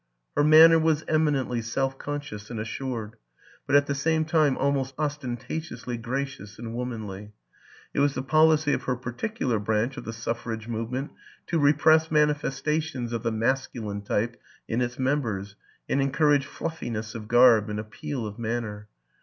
Her manner was eminently self conscious and as sured, but at the same time almost ostentatiously gracious and womanly; it was the policy of her particular branch of the suffrage movement to re press manifestations of the masculine type in its members and encourage fluffiness of garb and ap peal of manner.